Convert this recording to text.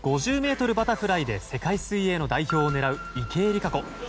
５０ｍバタフライで世界水泳の代表を狙う池江璃花子。